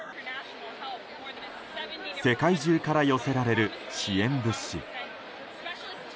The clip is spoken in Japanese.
世界中から寄せられる支援物資。